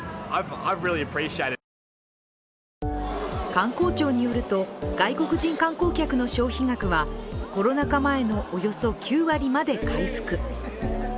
観光庁によると外国人観光客の消費額は、コロナ禍前のおよそ９割まで回復。